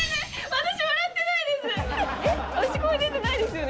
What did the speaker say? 私、声出てないですよね？